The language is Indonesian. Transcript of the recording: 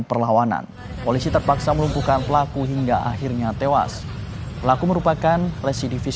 perlawanan polisi terpaksa melumpuhkan pelaku hingga akhirnya tewas pelaku merupakan residivis